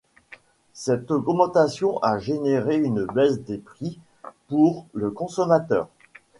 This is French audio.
Cette augmentation a généré une baisse des prix pour le consommateur.